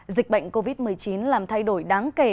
dịch bệnh covid một mươi chín làm thay đổi đáng kể